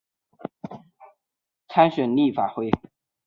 何俊仁将不能透过区议会功能组别参选立法会。